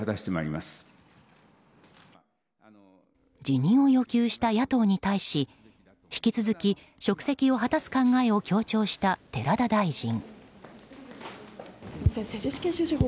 辞任を要求した野党に対し引き続き職責を果たす考えを強調した寺田大臣。